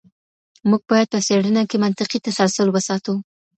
موږ باید په څېړنه کې منطقي تسلسل وساتو.